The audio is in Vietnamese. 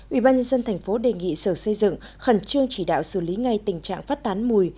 ủy ban nhân dân thành phố đề nghị sở xây dựng khẩn trương chỉ đạo xử lý ngay tình trạng phát tán mùi